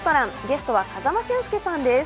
ゲストは風間俊介さんです。